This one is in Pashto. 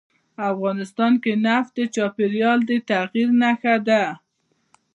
افغانستان کې نفت د چاپېریال د تغیر نښه ده.